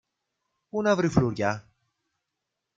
Πού να βρει φλουριά;